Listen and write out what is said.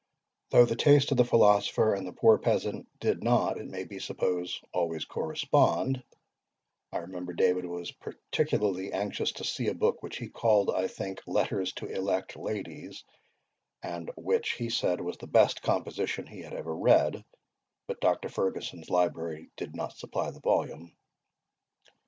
Though the taste of the philosopher and the poor peasant did not, it may be supposed, always correspond, [I remember David was particularly anxious to see a book, which he called, I think, LETTERS TO ELECT LADIES, and which, he said, was the best composition he had ever read; but Dr. Fergusson's library did not supply the volume.